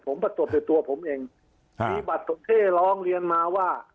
ผมประสวยตัวผมเองชีสิบาดสนเทพร้องเรียนมาว่า